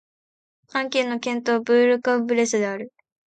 アン県の県都はブール＝カン＝ブレスである